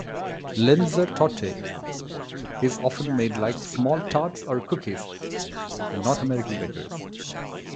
Linzer Torte is often made like small tarts or cookies in North American bakeries.